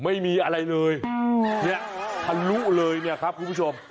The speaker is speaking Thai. ไม่มีอะไรเลยเนี่ยท่านรู้เลยครับคุณผู้ชม